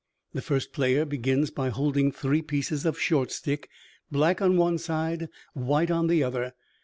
The first player begins by holding three pieces of short stick, black on one side, white on the other.